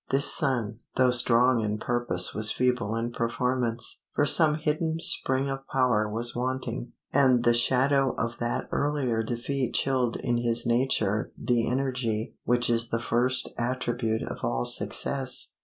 This son, though strong in purpose was feeble in performance; for some hidden spring of power was wanting, and the shadow of that earlier defeat chilled in his nature the energy which is the first attribute of all success.